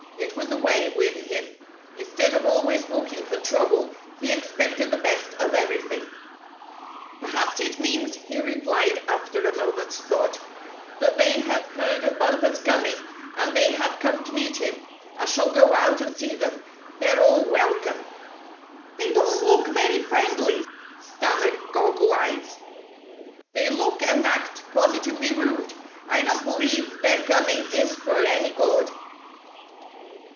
It was the way with him. Instead of always looking for trouble, he expected the best of everything. 78 The Rabbits Rise Against Bumper 79 "Perhaps it means," he replied, after a mo ment's thought, "that they have heard of Bumper's coming, and they have come to meet him. I shall go out and see them. They're all welcome." " They don't look very friendly," stammered Croggle Eyes. " They look and act positively rude. I don't believe their coming is for any good."